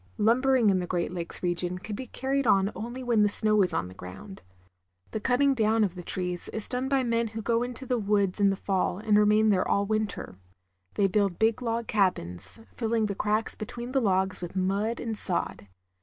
Lumbering in the Great Lakes region can be carried on only when the snow is on the ground. The cutting down of the trees is done by men who go into the wgods in the fall and remain there all winter. They build big log cab ins, filling the cracks between the logs with mud and sod.